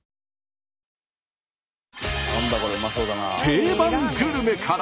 定番グルメから。